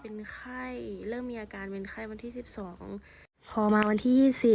เริ่มมีอาการเป็นไข้วันที่๑๒